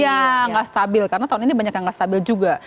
ya nggak stabil karena tahun ini banyak yang nggak stabil juga